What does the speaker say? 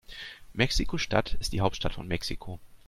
Mexiko-Stadt ist die Hauptstadt von Mexiko.